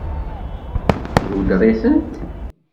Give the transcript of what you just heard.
Iweddeṛ-itent?